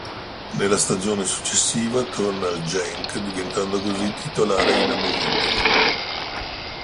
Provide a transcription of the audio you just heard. Nella stagione successiva torna al Genk diventando così titolare inamovibile.